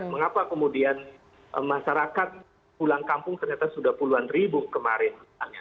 mengapa kemudian masyarakat pulang kampung ternyata sudah puluhan ribu kemarin